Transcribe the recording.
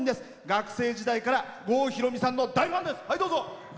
学生時代から郷ひろみさんの大ファンです。